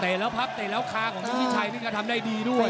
แล้วพับเตะแล้วคาของสิทธิชัยนี่ก็ทำได้ดีด้วย